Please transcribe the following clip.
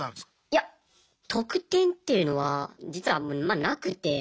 いや特典っていうのは実はあんまなくて。